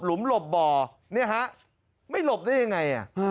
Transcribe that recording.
หลบบ่อเนี่ยฮะไม่หลบได้ยังไง